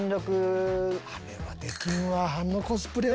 あれはできんわあのコスプレは。